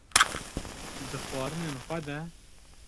di xwarinên xwe de